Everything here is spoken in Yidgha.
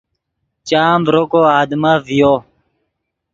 چام ڤرو کو آدمف ڤیو